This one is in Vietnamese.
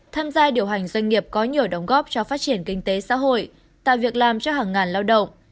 tham gia điều hành doanh nghiệp có nhiều đóng góp cho phát triển kinh tế xã hội tạo việc làm cho hàng ngàn lao động